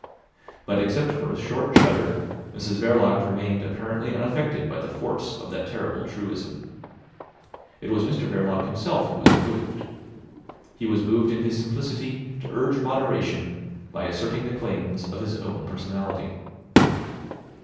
But except for a short shudder Mrs Verloc remained apparently unaffected by the force of that terrible truism. It was Mr Verloc himself who was moved. He was moved in his simplicity to urge moderation by asserting the claims of his own personality.